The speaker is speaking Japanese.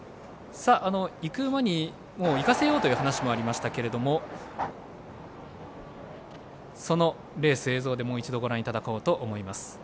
いく前にいかせようという話もありましたけどそのレース、映像でもう一度ご覧いただこうと思います。